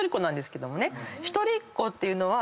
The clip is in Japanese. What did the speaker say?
一人っ子っていうのは。